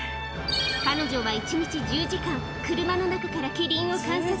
彼女は１日１０時間、車の中からキリンを観察。